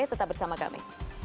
tetap bersama kami